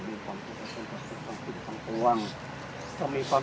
มีความสุขทั้งสุขทั้งสุขทั้งความสุขทั้งความ